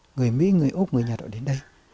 người mỹ người úc người nhật họ đến đây